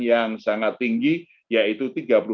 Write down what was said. yang sangat tinggi yaitu tiga puluh dua lima puluh satu